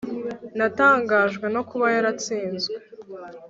natangajwe no kuba yaratsinzwe